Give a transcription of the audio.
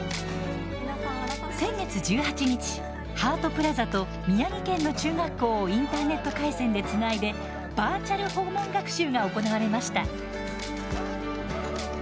先月１８日ハートプラザと宮城県の中学校をインターネット回線でつないでバーチャル訪問学習が行われました。